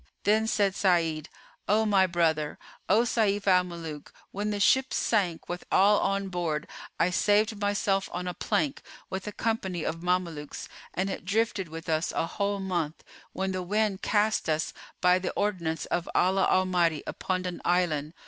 Then said Sa'id, "O my brother, O Sayf al Muluk, when the ship sank with all on board I saved myself on a plank with a company of Mamelukes and it drifted with us a whole month, when the wind cast us, by the ordinance of Allah Almighty, upon an island.